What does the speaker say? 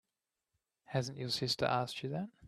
Hasn't your sister asked you that?